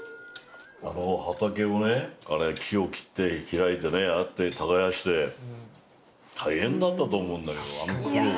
あの畑をねあれ木を切って開いてねああやって耕して大変だったと思うんだけどあの苦労。